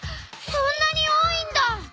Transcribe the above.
そんなに多いんだ。